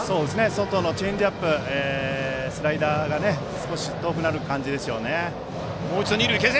外のチェンジアップスライダーが遠くなる感じでしょう。